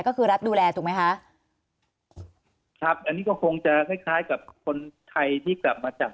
ก็คือรัฐดูแลถูกไหมคะครับอันนี้ก็คงจะคล้ายคล้ายกับคนไทยที่กลับมาจาก